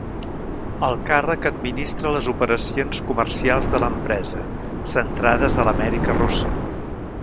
El càrrec administra les operacions comercials de l'empresa, centrades a l'Amèrica Russa.